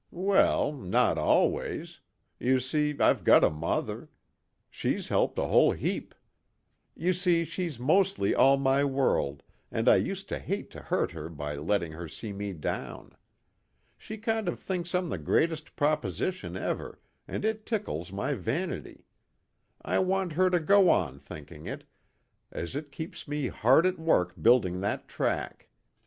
"Well not always. You see, I've got a mother. She's helped a whole heap. You see, she's mostly all my world, and I used to hate to hurt her by letting her see me down. She kind of thinks I'm the greatest proposition ever, and it tickles my vanity. I want her to go on thinking it, as it keeps me hard at work building that track.